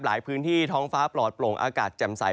พื้นที่ท้องฟ้าปลอดโปร่งอากาศแจ่มใส